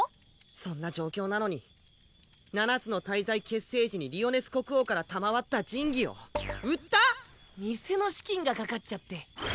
そんな状況なのに七つの大罪結成時にリオネス国王から賜った神器を売った⁉店の資金がかかっちゃって。